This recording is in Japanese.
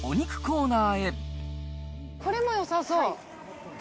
これもよさそう。